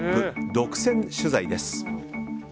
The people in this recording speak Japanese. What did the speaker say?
独占取材です。